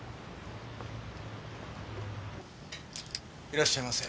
いらっしゃいませ。